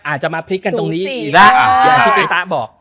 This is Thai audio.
อาจจะมาพลิกกันตรงนี้อีกแล้ว